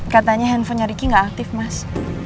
katanya handphonenya riki nggak aktif mas